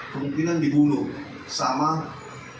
kemungkinan dibunuh sama inisial eimin